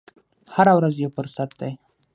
هره ورځ یو فرصت دی.